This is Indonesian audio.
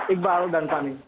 iqbal dan fani